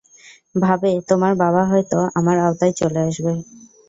ভাবে, তোমার বাবা হয়তো আমার আওতায় চলে আসবে।